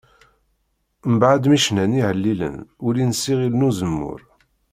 Mbeɛd mi cnan ihellilen ulin s iɣil n Uzemmur.